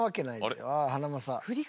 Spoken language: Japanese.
あハナマサ。